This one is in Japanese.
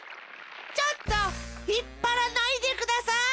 ちょっとひっぱらないでください！